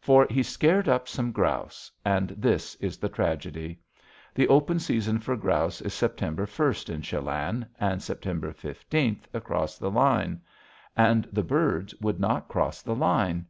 For he scared up some grouse, and this is the tragedy. The open season for grouse is September 1st in Chelan and September 15th across the line. And the birds would not cross the line.